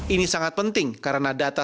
ini sangat penting karena data